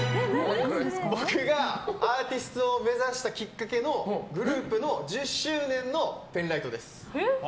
僕がアーティストを目指したきっかけのグループの１０周年のペンライトです。